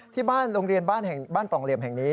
ที่บ้านโรงเรียนบ้านปล่องเหลี่ยมแห่งนี้